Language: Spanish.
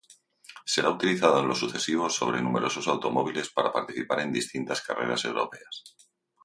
Será utilizado en lo sucesivo sobre numerosos automóviles para participar en distintas carreras europeas.